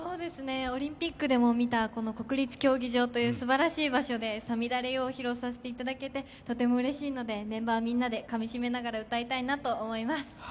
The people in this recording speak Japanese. オリンピックでも見たこの国立競技場というすばらしい場所で「五月雨よ」を披露させていただけてとてもうれしいので、メンバーみんなでかみしめながら歌いたいなと思います。